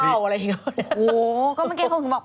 สมัยนั่นเจ้า